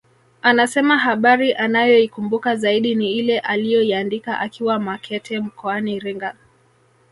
Anasema habari anayoikumbuka zaidi ni ile aliyoiandika akiwa Makete mkoani Iringa